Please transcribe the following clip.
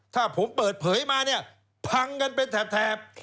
ถ้าผมเปิดเผยมาเนี่ยพังกันเป็นแถบ